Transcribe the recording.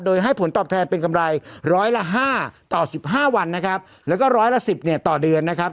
โดยให้ผลตอบแทนเป็นกำไรร้อยละห้าต่อสิบห้าวันนะครับแล้วก็ร้อยละสิบเนี่ยต่อเดือนนะครับ